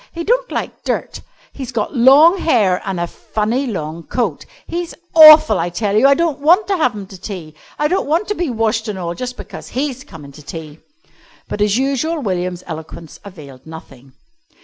He don't like dirt. He's got long hair an' a funny long coat. He's awful, I tell you. I don't want to have him to tea. I don't want to be washed an' all just because he's comin' to tea." But as usual William's eloquence availed nothing.